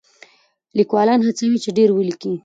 لیکوالان وهڅوئ چې ډېر ولیکي.